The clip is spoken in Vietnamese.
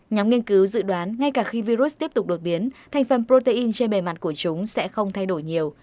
nhóm nghiên cứu dự đoán ngay cả khi virus tiếp tục đột biến thành phần protein trên bề mặt của chúng sẽ không thay đổi nhiều